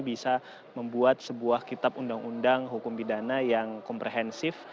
bisa membuat sebuah kitab undang undang hukum pidana yang komprehensif